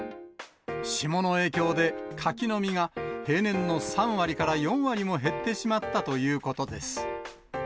霜の影響で、柿の実が平年の３割から４割も減ってしまったということです。